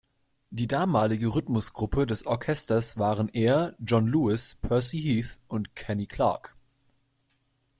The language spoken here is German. Die damalige Rhythmusgruppe des Orchesters waren er, John Lewis, Percy Heath und Kenny Clarke.